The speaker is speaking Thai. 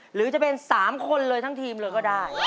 หรือจะเป็น๓คนเลยทั้งทีมเลยก็ได้